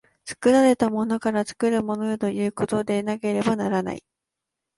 作られたものから作るものへということでなければならない。